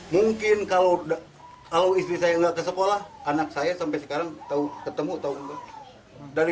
mungkin kalau istri saya nggak ke sekolah anak saya sampai sekarang ketemu atau enggak